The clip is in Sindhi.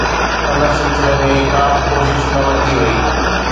ان سلسلي ۾ ڪا به ڪوشش نه ورتي وئي.